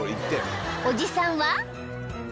［おじさんは］